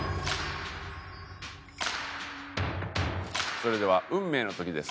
それでは運命の時です。